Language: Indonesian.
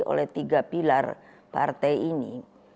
oleh tiga pilar partai ini